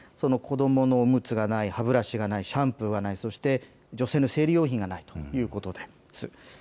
子どものおむつがない、歯ブラシがない、シャンプーがない、そして女性の生理用品がないということです。